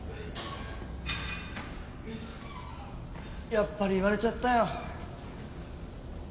やっぱり言われちゃったよ。